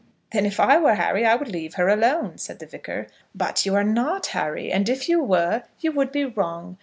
"Then if I were Harry I would leave her alone," said the Vicar. "But you are not Harry; and if you were, you would be wrong.